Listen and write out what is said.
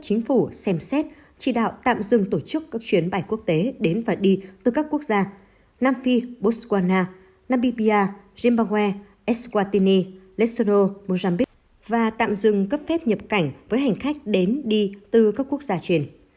chính phủ xem xét chỉ đạo tạm dừng tổ chức các chuyến bài quốc tế đến và đi từ các quốc gia nam phi botswana namibia rimbawe eswatini lesono morambi và tạm dừng cấp phép nhập cảnh với hành khách đến đi từ các quốc gia trên